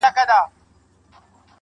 • خو د سندرو په محل کي به دي ياده لرم.